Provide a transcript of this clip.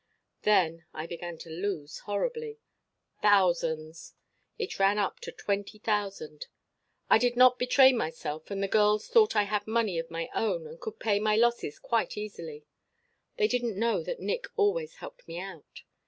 "Then I began to lose horribly. Thousands. It ran up to twenty thousand. I did not betray myself, and the girls thought I had money of my own and could pay my losses quite easily. They didn't know that Nick always helped me out.